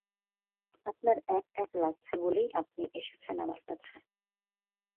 আপনার এক-এক লাগছে বলেই আপনি এসেছেন আমার কাছে।